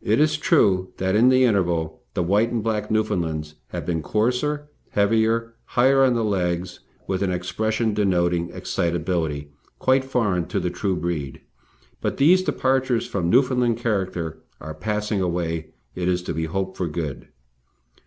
It is true that in the interval the white and black Newfoundlands have been coarser, heavier, higher on the legs, with an expression denoting excitability quite foreign to the true breed, but these departures from Newfoundland character are passing away it is to be hoped for good.